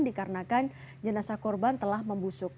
dikarenakan jenazah korban telah membusuk